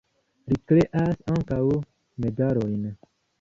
Li kreas ankaŭ medalojn.